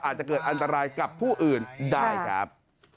อาจจะเกิดอันตรายกับผู้อื่นได้ครับ